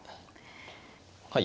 はい。